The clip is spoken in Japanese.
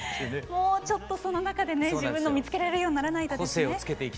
もうちょっとその中でね自分のを見つけられるようにならないとですね。